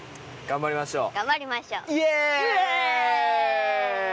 頑張りましょう。